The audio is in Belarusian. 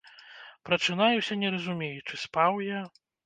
Прачынаюся, не разумеючы, спаў я?